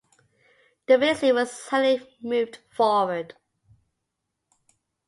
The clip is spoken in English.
The rear seat was slightly moved forward.